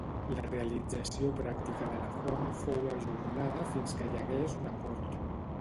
La realització pràctica de la font fou ajornada fins que hi hagués un acord.